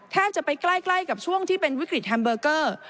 จะไปใกล้กับช่วงที่เป็นวิกฤตแฮมเบอร์เกอร์